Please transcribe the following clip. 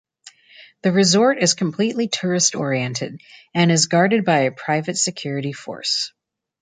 The resort is completely tourist-oriented, and is guarded by a private security force.